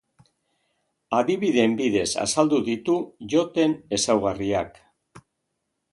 Adibideen bidez azaldu ditu joten ezaugarriak.